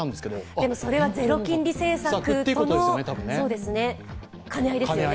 でも、それはゼロ金利政策との兼ね合いですよね。